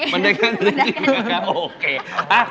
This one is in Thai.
มันได้กล้านนี้นะครับโอเค